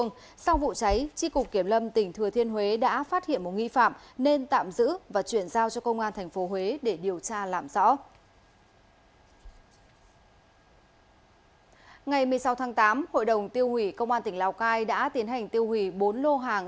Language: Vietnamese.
ngày một mươi sáu tháng tám hội đồng tiêu hủy công an tỉnh lào cai đã tiến hành tiêu hủy bốn lô hàng